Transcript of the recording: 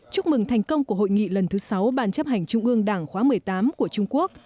chúc mừng thành công của hội nghị lần thứ sáu ban chấp hành trung ương đảng khóa một mươi tám của trung quốc